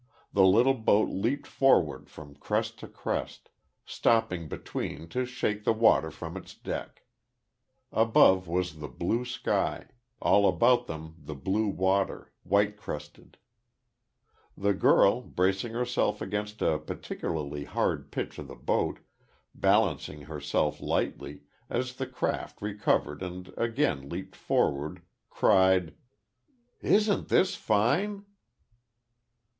The little boat leaped forward from crest to crest, stopping between to shake the water from its deck. Above was the blue sky all about them the blue water, white crested. The girl, bracing herself against a particularly hard pitch of the boat, balancing herself lightly, as the craft recovered and again leaped forward, cried: "Isn't this fine!"